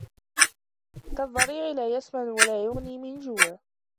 كالضريع لا يسمن ولا يغني من جوع